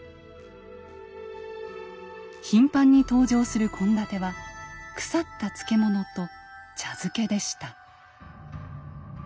頻繁に登場する献立は「腐った漬物と茶漬け」でした。